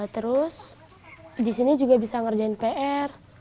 terus di sini juga bisa ngerjain pr